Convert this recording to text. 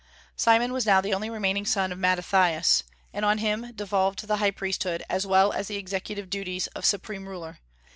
Simon was now the only remaining son of Mattathias; and on him devolved the high priesthood, as well as the executive duties of supreme ruler.